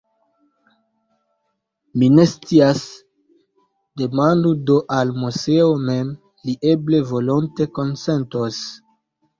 Mi ne scias; demandu do al Moseo mem, li eble volonte konsentos.